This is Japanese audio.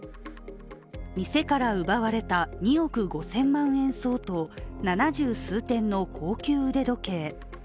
店から奪われた２億５０００万円相当七十数点の高級腕時計。